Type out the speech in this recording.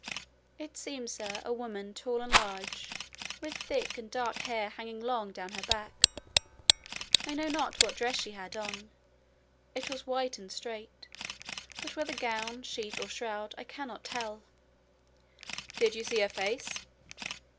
"It seemed, sir, a woman, tall and large, with thick and dark hair hanging long down her back. I know not what dress she had on: it was white and straight; but whether gown, sheet, or shroud, I cannot tell." "Did you see her face?"